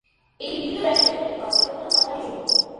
এটি বিভিন্ন ব্র্যান্ডের অধীনে তৈরি করা হয়, অন্যান্য কোম্পানির জন্যও।